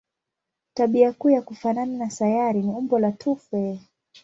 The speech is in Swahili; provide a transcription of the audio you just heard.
Tabia kuu ya kufanana na sayari ni umbo la tufe.